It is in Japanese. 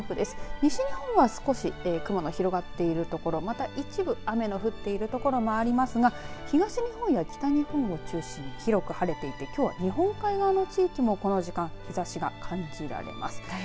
西日本は少し雲の広がっている所がまた一部、雨の降っている所がありますが東日本や北日本を中心に広く晴れていて、きょう日本海側の地域もこの時間、日ざしが感じられます。